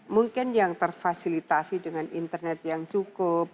mungkin yang terfasilitasi dengan internet yang cukup